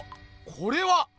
これは！